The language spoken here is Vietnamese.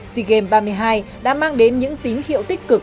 sea games ba mươi hai đã mang đến những tín hiệu tích cực